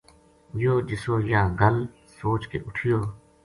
یوہ جِسو یاہ گل سوچ کے اُٹھیو